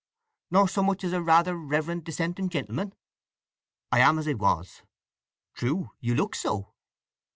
"Nor so much as a rather reverend dissenting gentleman?" "I am as I was." "True—you look so."